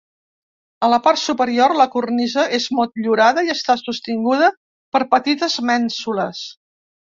A la part superior, la cornisa és motllurada i està sostinguda per petites mènsules.